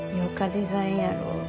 デザインやろ？